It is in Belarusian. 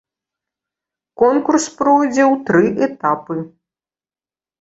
Конкурс пройдзе ў тры этапы.